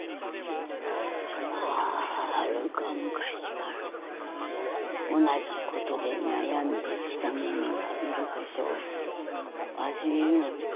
はるか昔から同じことで悩んできた者がいることを忘れるな。